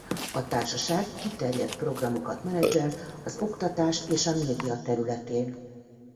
A Társaság kiterjedt programokat menedzsel az oktatás és a média területén.